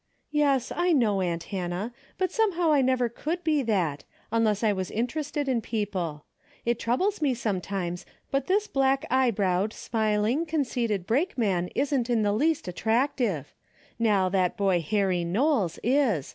" Yes, I know, aunt Hannah, but somehow I never could be that, unless I was interested in people. It troubles me sometimes, but this black eyebrowed, smiling, conceited brakeman isn't in the least attractive. How that boy Harry Knowles is.